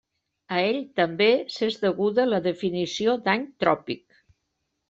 A ell, també, s'és deguda la definició d'any tròpic.